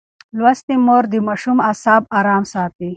لوستې مور د ماشوم اعصاب ارام ساتي.